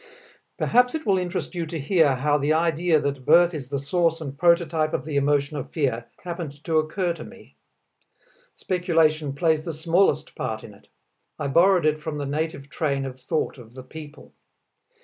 Perhaps it will interest you to hear how the idea that birth is the source and prototype of the emotion of fear, happened to occur to me. Speculation plays the smallest part in it; I borrowed it from the native train of thought of the people.